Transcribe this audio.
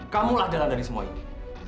kamulah jalan dari semua ini